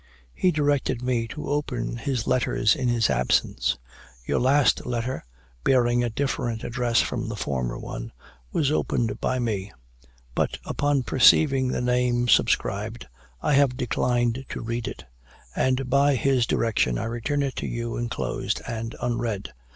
He directed me to open his letters in his absence; your last letter, bearing a different address from the former one, was opened by me; but upon perceiving the name subscribed, I have declined to read it; and by his directions I return it to you inclosed, and unread.